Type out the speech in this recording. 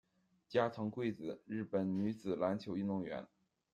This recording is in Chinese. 加藤贵子，日本女子篮球运动员。